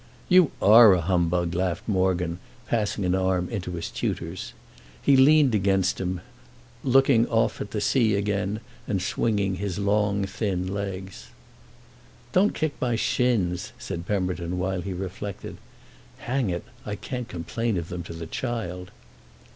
"You are a humbug!" laughed Morgan, passing an arm into his tutor's. He leaned against him looking oft at the sea again and swinging his long thin legs. "Don't kick my shins," said Pemberton while he reflected "Hang it, I can't complain of them to the child!"